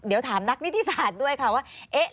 เดี๋ยวถามนักนิติศาสตร์ด้วยค่ะว่า